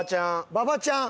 馬場ちゃん？